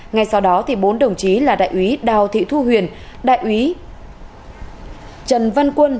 ngay sau đó bốn đồng chí là đại úy đào thị thu huyền đại úy trần văn quân